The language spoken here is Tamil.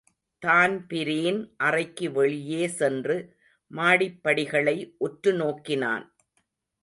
தான்பிரீன் அறைக்கு வெளியே சென்று மாடிப்படிகளை உற்று நோக்கினான்.